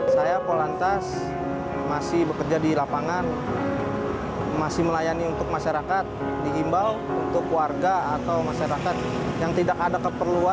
saya polantas masih bekerja di lapangan masih melayani untuk masyarakat dihimbau untuk warga atau masyarakat yang tidak ada keperluan